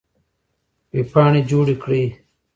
وېبپاڼې جوړې کړئ.